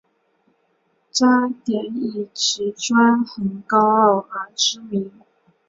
渣甸以其专横高傲而知名。